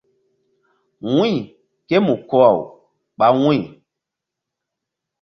Wu̧y ké mu ko-aw ɓa wu̧y.